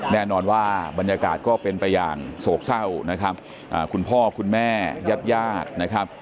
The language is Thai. แน่นอนว่าบรรยากาศก็เป็นไปอย่างโศกเศร้านะครับคุณพ่อคุณแม่ญาติญาตินะครับ